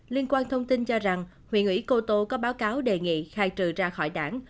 liên quan thông tin cho rằng huyện ủy cô tô có báo cáo đề nghị khai trừ ra khỏi đảng